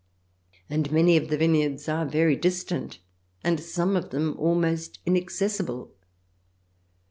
And many of the vineyards are very distant, and some of them almost inaccessible.